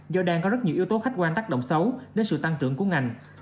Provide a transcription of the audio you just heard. do đang có rất nhiều yếu tố khách quan tác động xấu đến sự tăng trưởng của ngành